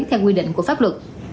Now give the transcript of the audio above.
theo quy định của pháp luật